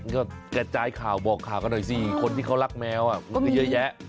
ก็กระจายข่าวบอกข่าวกันหน่อยสิคนที่เขารักแมวมันก็เยอะแยะ